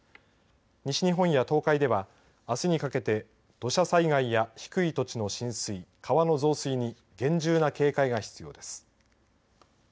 西日本や東海では、あすにかけて土砂災害や低い土地の浸水川の増水に厳重な警戒が必要です。